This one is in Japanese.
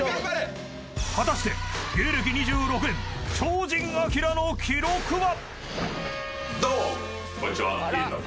［果たして芸歴２６年超人アキラの記録は⁉］